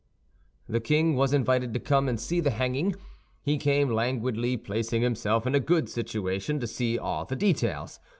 The king was invited to come and see the hanging. He came languidly, placing himself in a good situation to see all the details.